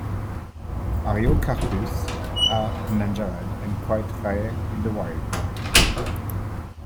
"Ariocarpus" are endangered and quite rare in the wild.